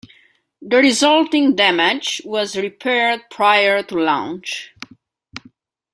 The resulting damage was repaired prior to launch.